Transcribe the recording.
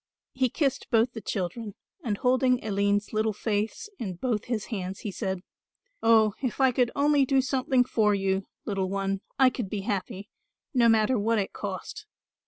He kissed both the children, and holding Aline's little face in both his hands he said, "Oh, if I could only do something for you, little one, I could be happy, no matter what it cost.